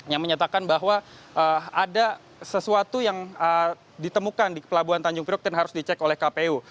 yang menyatakan bahwa ada sesuatu yang ditemukan di pelabuhan tanjung priok dan harus dicek oleh kpu